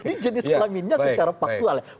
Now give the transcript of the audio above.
ini sekaligusnya secara faktual ya